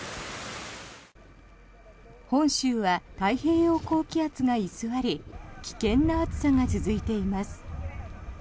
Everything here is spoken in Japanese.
本州は太平洋高気圧が居座り危険な暑さが続いています。